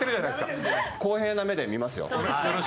公平な目で見ますよ。